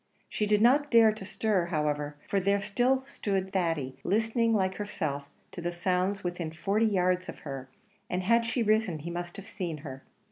She did not dare to stir, however, for there still stood Thady, listening like herself to the sounds within forty yards of her; and had she risen he must have seen her.